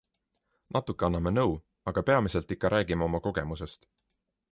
Natuke anname nõu, aga peamiselt ikka räägime oma kogemusest.